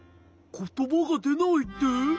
ことばがでないって？